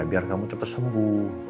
biar kamu cepat sembuh